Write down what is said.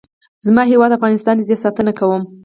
زما هیواد افغانستان دی. زه یې ساتنه کوم.